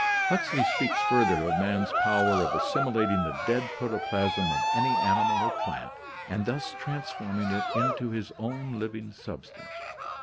Huxley speaks, further, of man's power of assimilating the dead protoplasm of any animal or plant and thus transforming it into his own living substance.